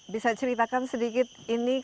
bisa ceritakan sedikit ini